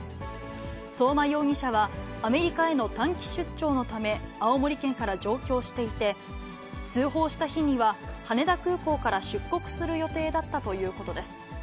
相馬容疑者は、アメリカへの短期出張のため、青森県から上京していて、通報した日には、羽田空港から出国する予定だったということです。